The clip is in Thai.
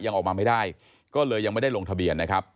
ออกมาไม่ได้ก็เลยยังไม่ได้ลงทะเบียนนะครับ